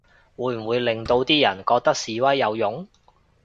會唔會令到啲人覺得示威有用